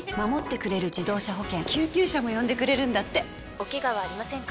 ・おケガはありませんか？